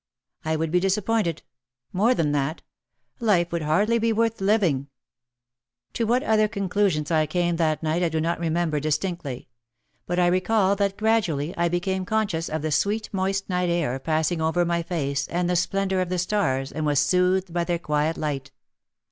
I would be disappointed, more than that, — life would hardly be worth living/ ' To what other conclusions I came that night I do not remember distinctly. But I recall that gradually I be came conscious of the sweet moist night air passing over my face and the splendour of the stars and was soothed by their quiet light.